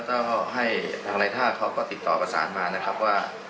ก็ให้ทางในท่าเขาก็ติดต่อประสานมานะครับว่า